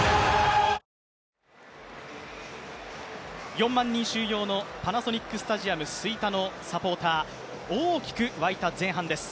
４万人収容のパナソニックスタジアム吹田のサポーター大きく沸いた前半です。